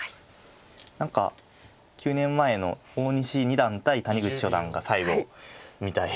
何か９年前の大西二段対谷口四段が最後みたいです。